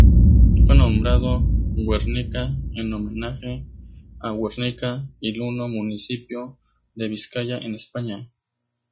Fue nombrado Guernica en homenaje a Guernica y Luno, municipio de Vizcaya en España.